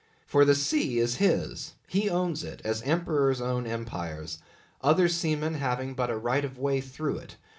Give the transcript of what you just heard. For the sea is his; he owns it, as Emperors own empires; other seamen having but a right of way through it.